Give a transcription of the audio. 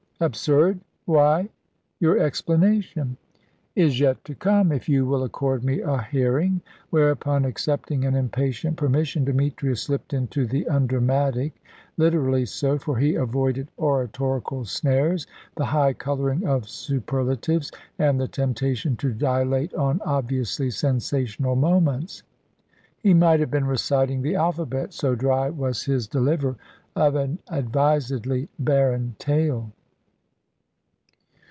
"Absurd! Why, your explanation " "Is yet to come, if you will accord me a hearing"; whereupon, accepting an impatient permission, Demetrius slipped into the undramatic literally so, for he avoided oratorical snares, the high colouring of superlatives, and the temptation to dilate on obviously sensational moments. He might have been reciting the alphabet, so dry was his deliver of an advisedly barren tale.